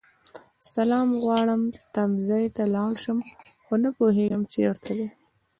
سلام غواړم تمځای ته لاړشم خو نه پوهيږم چیرته دی